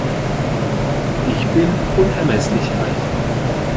Ich bin unermesslich reich.